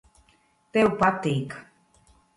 Tev patīk.